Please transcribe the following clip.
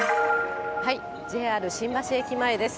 ＪＲ新橋駅前です。